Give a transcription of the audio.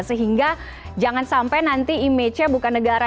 sehingga jangan sampai nanti image nya bukan negara